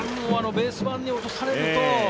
ベース板に落とされると。